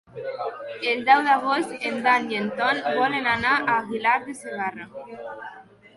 El deu d'agost en Dan i en Ton volen anar a Aguilar de Segarra.